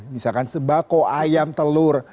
misalkan sebako ayam telur